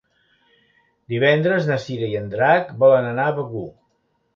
Divendres na Cira i en Drac volen anar a Begur.